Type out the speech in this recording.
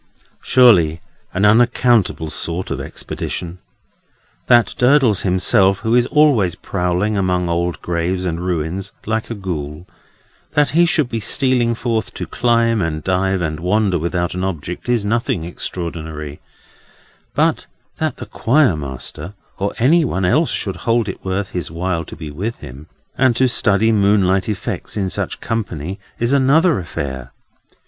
Surely an unaccountable sort of expedition! That Durdles himself, who is always prowling among old graves, and ruins, like a Ghoul—that he should be stealing forth to climb, and dive, and wander without an object, is nothing extraordinary; but that the Choir Master or any one else should hold it worth his while to be with him, and to study moonlight effects in such company is another affair.